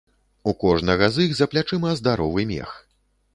У кожнага з іх за плячыма здаровы мех.